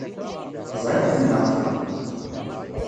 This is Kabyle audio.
Teẓriḍ ḥemmleɣ-kem!